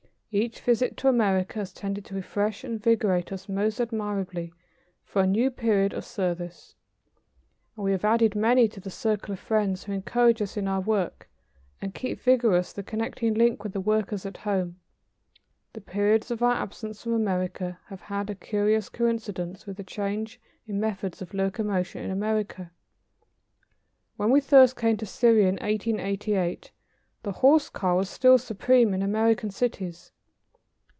Each visit to America has tended to refresh and invigorate us most admirably for a new period of service and we have added many to the circle of friends who encourage us in our work and keep vigorous the connecting link with the workers at home. The periods of our absence from America have had a curious coincidence with the change in methods of locomotion in America. When we first came to Syria in 1888, the horse car was still supreme in American cities.